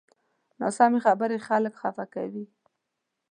ناسمې خبرې خلک خفه کوي